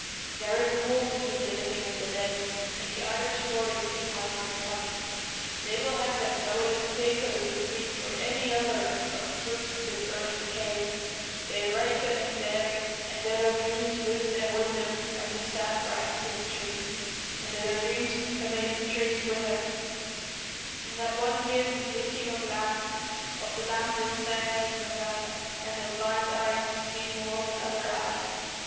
There is a war between the living and the dead, and the Irish stories keep harping upon it. They will have it that when the potatoes or the wheat or any other of the fruits of the earth decay, they ripen in faery, and that our dreams lose their wisdom when the sap rises in the trees, and that our dreams can make the trees 193 o The wither, and that one hears the bleating Celtic Twilight, of tne lambs of faery in November, and that blind eyes can see more than other eyes.